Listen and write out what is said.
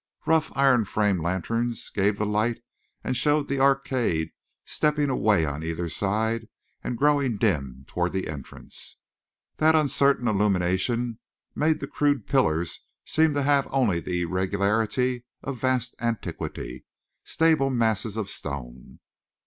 Rough, iron framed lanterns gave the light and showed the arcade stepping away on either side and growing dim toward the entrance. That uncertain illumination made the crude pillars seem to have only the irregularity of vast antiquity, stable masses of stone.